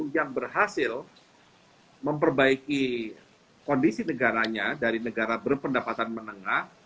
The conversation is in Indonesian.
yang berhasil memperbaiki kondisi negaranya dari negara berpendapatan menengah